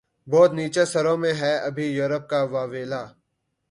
بہت نیچے سروں میں ہے ابھی یورپ کا واویلا